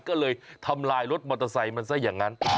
ก็เลยทำลายรถมอเตอร์ไซค์มันซะอย่างนั้น